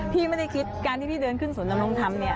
พี่ไม่ได้คิดการที่พี่เดินขึ้นสนลำรงค์ทำ